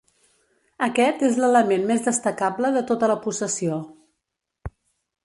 Aquest és l'element més destacable de tota la possessió.